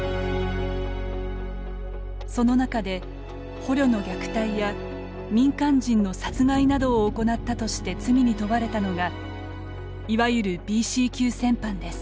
その中で、捕虜の虐待や民間人の殺害などを行ったとして罪に問われたのがいわゆるＢＣ級戦犯です。